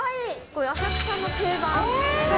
これ、浅草の定番。